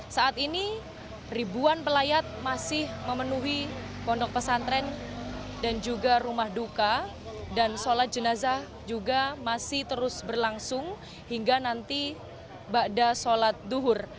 saat ini ribuan pelayat masih memenuhi pondok pesantren dan juga rumah duka dan sholat jenazah juga masih terus berlangsung hingga nanti bakda sholat duhur